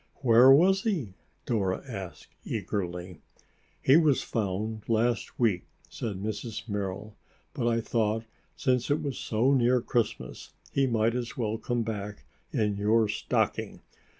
"Where was he?" Dora asked eagerly. "He was found last week," said Mrs. Merrill, "but I thought since it was so near Christmas he might as well come back in your stocking.